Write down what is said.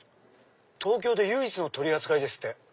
東京で唯一の取り扱いですって。